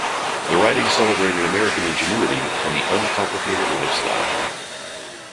The writing celebrated American ingenuity and the uncomplicated lifestyle.